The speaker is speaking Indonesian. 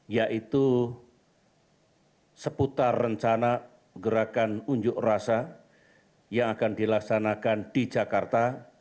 yaitu seputar rencana gerakan unjuk rasa yang akan dilaksanakan di jakarta